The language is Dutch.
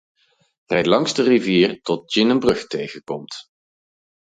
Rijd langs de rivier tot je een brug tegenkomt.